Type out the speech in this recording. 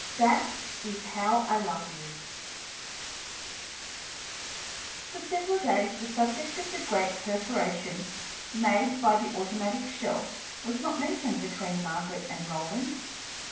"THAT IS HOW I LOVE YOU" For several days the subject of the great perforation made by the automatic shell was not mentioned between Margaret and Roland.